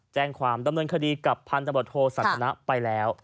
แจ้งความดำเนินคดีกับพันธบทโทสันทนะไปแล้ว